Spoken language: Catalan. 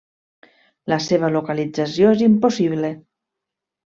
La seva localització és impossible.